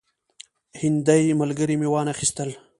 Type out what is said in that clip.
هندي ملګري مې وانه خیستل.